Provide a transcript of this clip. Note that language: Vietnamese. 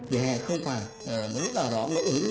vỉa hè không phải mỗi lúc nào đó mỗi lúc